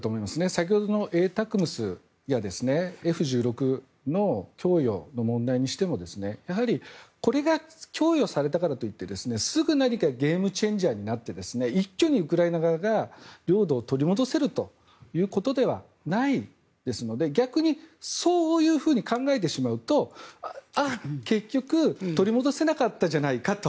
先ほどのＡＴＡＣＭＳやＦ１６の供与の問題にしてもこれが供与されたからといってすぐ何かゲームチェンジャーになって一挙にウクライナ側が領土を取り戻せるということではないですので逆にそういうふうに考えてしまうとああ、結局取り戻せなかったじゃないかと。